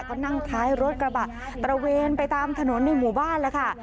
ก็นั่งท้ายรถกระบะตระเวนไปตามถนนในหมู่บ้านแล้วค่ะ